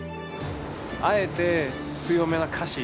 あえて強めな歌詞。